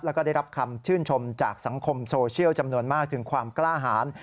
แล้วก็ได้รับคำชื่นชมจากสังคมโซเชียลจำนวนมากถึงความกล้าหาร